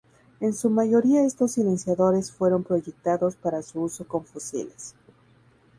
En su mayoría estos silenciadores fueron proyectados para su uso con fusiles.